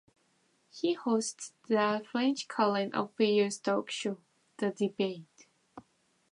He hosts the French current affairs talk show "The Debate".